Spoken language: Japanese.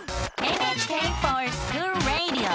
「ＮＨＫｆｏｒＳｃｈｏｏｌＲａｄｉｏ」！